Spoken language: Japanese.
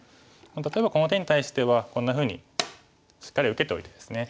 例えばこの手に対してはこんなふうにしっかり受けておいてですね